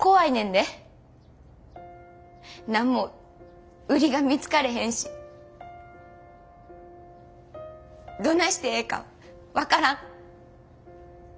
何も売りが見つかれへんしどないしてええか分からん。